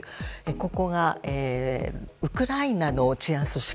ここが、ウクライナの治安組織